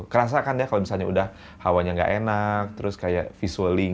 kerasa kan ya kalau misalnya udah hawanya nggak enak terus kayak visualing